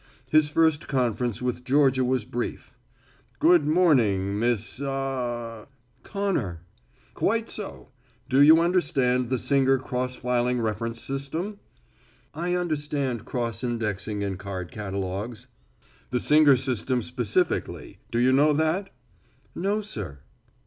His first conference with Georgia was brief. "Good morning, Miss Ah ah " "Connor." "Quite so. Do you understand the Singer cross filing reference system?" "I understand cross indexing and card catalogues." "The Singer system specifically, do you know that?" "No, sir."